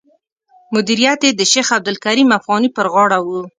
مدیریت یې د شیخ عبدالکریم افغاني پر غاړه و.